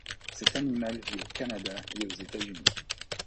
Cet animal vit au Canada et aux États-Unis.